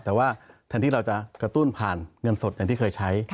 แต่ว่าแทนที่เราจะกระตุ้นผ่านเงินสดอย่างที่เคยใช้